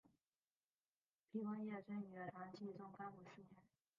皮光业生于唐僖宗干符四年。